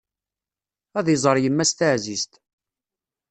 Ad iẓer yemma-s taɛzizt.